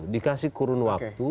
dikasih kurun waktu